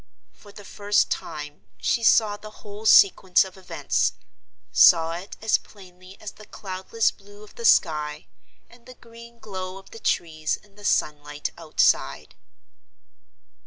For the first time she saw the whole sequence of events—saw it as plainly as the cloudless blue of the sky and the green glow of the trees in the sunlight outside.